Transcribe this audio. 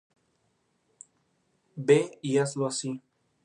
Ve y hazlo así.